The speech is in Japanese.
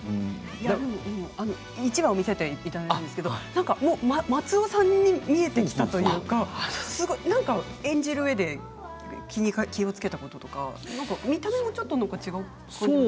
１話を見せていただいたんですけど松尾さんに見えてきたというか演じるうえで気をつけたこととか見た目もちょっと違うような。